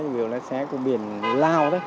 ví dụ là xe của biển lao đó